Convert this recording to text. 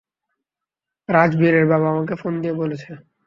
রাজবীরের বাবা আমাকে ফোন দিয়ে বলেছে।